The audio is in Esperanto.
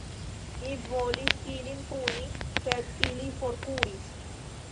Mi volis ilin puni, sed ili forkuris.